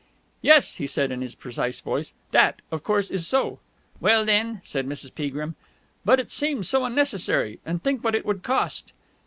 "Yes," he said in his precise voice. "That, of course, is so." "Well, then!" said Mrs. Peagrim. "But it seems so unnecessary! And think what it would cost."